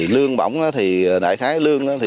lương bỏng đại khái lương